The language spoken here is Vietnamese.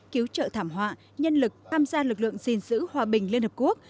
cứu trợ thảm họa nhân lực tham gia lực lượng gìn giữ hòa bình liên hợp quốc